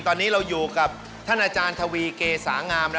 ตอนนี้เราอยู่กับท่านอาจารย์ทวีเกษางาม